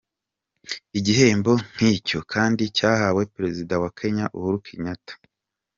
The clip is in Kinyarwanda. Igihembo nk’icyo kandi cyahawe Perezida wa Kenya, Uhuru Kenyatta.